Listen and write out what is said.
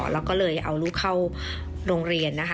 แล้วเรี๋ยวเข้ารู้เข้าโรงเรียนนะคะ